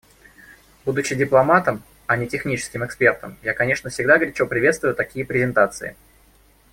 Будучи дипломатом, а не техническим экспертом, я, конечно, всегда горячо приветствую такие презентации.